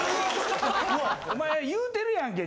お前言うてるやんけ。